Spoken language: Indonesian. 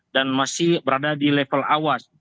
dan masih berada di level awas